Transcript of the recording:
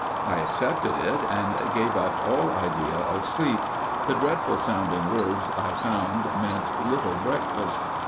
I accepted it, and gave up all idea of sleep. The dreadful sounding words, I found, meant "little breakfast."